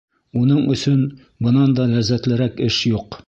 Уның өсөн бынан да ләззәтлерәк эш юҡ.